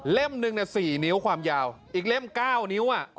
เล่มหนึ่งเนี่ย๔นิ้วความยาวอีกเล่ม๙นิ้วอะ